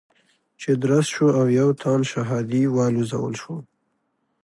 چې درز شو او يو تن شهادي والوزول شو.